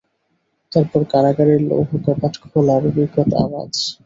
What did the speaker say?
তারপর কারাগারের লীেহকপট খোলার বিকট আওয়াজ।